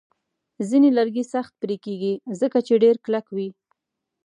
ځینې لرګي سخت پرې کېږي، ځکه چې ډیر کلک وي.